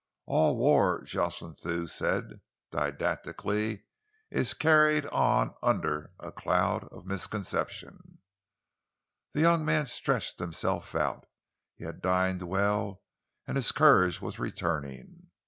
"All war," Jocelyn Thew said didactically, "is carried on under a cloud of misconception." The young man stretched himself out. He had dined well and his courage was returning.